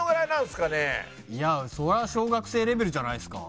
いやそりゃ小学生レベルじゃないですか？